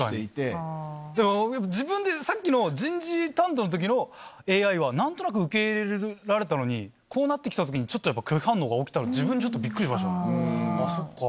自分でさっきの人事担当の時のＡＩは何となく受け入れられたのにこうなって来た時にちょっとやっぱ拒否反応が起きたのは自分でちょっとビックリしました「あそっか」